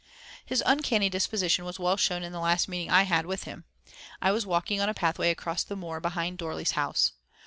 His uncanny disposition was well shown in the last meeting I had with him. I was walking on a pathway across the moor behind Dorley's house.